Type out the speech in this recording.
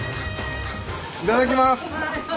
いただきます。